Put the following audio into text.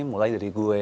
ini mulai dari gue